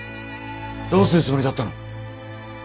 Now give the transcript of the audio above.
どうするつもりだったの？